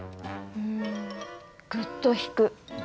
うんグッと引く。